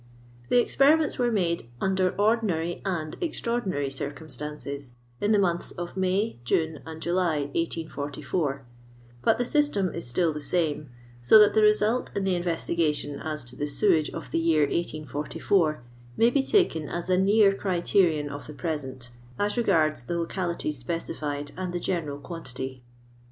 The experiments were made "under ordinary and extraordinary circumstances," in the months of May, June, and July, 1844, but the aysteai is still the same, so that the result in the investigation as to the sewage of the year 1844 may be taken as a near criterion of the present, as regards the localities specified and the general quantity.